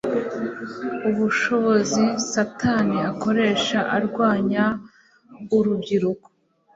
Ubushobozi Satani akoresha arwanya urubyiruko